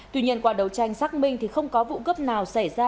tuy nhiên qua đấu tranh xác minh thì không có vụ cướp nào xảy ra